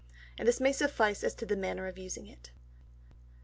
And this may suffice as to the manner of using it.